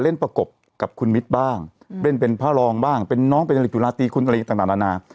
เล่นประกบกับคุณมิตรบ้างเล่นเป็นพระรองบ้างเป็นน้องเป็นนิตยุนาติคุณอะไรอย่างต่าง